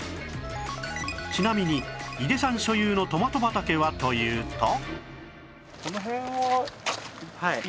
ちなみに井出さん所有のトマト畑はというと